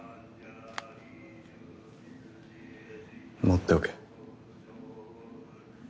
持っておけ。